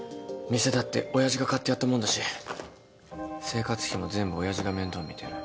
店だって親父が買ってやったもんだし生活費も全部親父が面倒見てる。